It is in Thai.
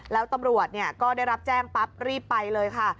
แล้วตำรวจก็ได้รับแจ้งปั๊บรีบไปเลยค่ะ